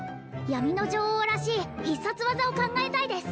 闇の女王らしい必殺技を考えたいです